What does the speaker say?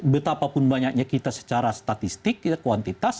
betapapun banyaknya kita secara statistik kita kuantitas